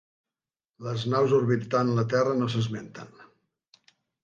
Les naus orbitant la Terra no s'esmenten.